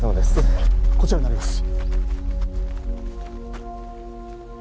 こちらになります。